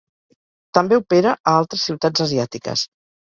També opera a altres ciutats asiàtiques.